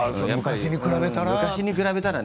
昔に比べたら。